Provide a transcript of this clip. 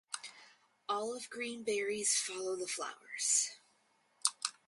Olive green berries follow the flowers.